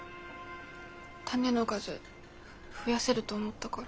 タネの数増やせると思ったから。